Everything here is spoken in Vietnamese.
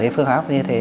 cái phương pháp như thế